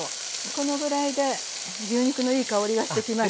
このぐらいで牛肉のいい香りがしてきましたね。